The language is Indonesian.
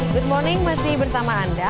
good morning masih bersama anda